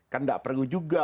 kan tidak perlu juga